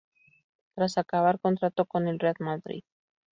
Tras acabar contrato con el Real Madrid.